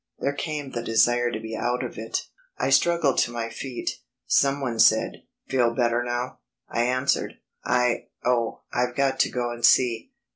There came the desire to be out of it. I struggled to my feet. Someone said: "Feel better now?" I answered: "I oh, I've got to go and see...."